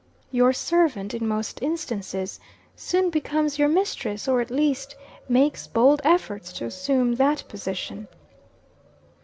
Your servant, in most instances, soon becomes your mistress or, at least, makes bold efforts to assume that position.